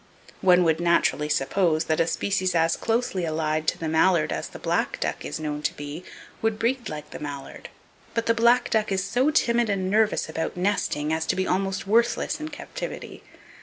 One would naturally suppose that a species as closely allied to the mallard as the black duck is known to be, would breed like the mallard; but the black duck is so timid and nervous about nesting as to be almost worthless in captivity.